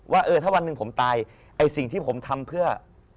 ประมาณว่าถ้าพอตายสิ่งที่ผมทำเพื่อ